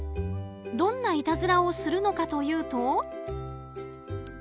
どんないたずらをするのかというと。